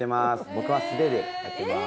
僕は素手でやってます。